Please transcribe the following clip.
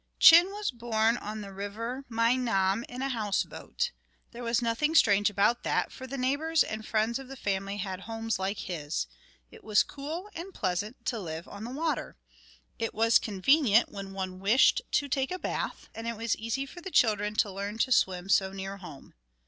Chin was born on the river Meinam in a house boat. There was nothing strange about that, for the neighbours and friends of the family had homes like his. It was cool and pleasant to live on the water. It was convenient when one wished to take a bath, and it was easy for the children to learn to swim so near home.